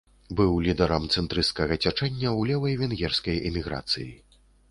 Быў лідарам цэнтрысцкага цячэння ў левай венгерскай эміграцыі.